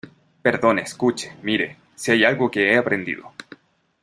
perdone, escuche , mire , si hay algo que he aprendido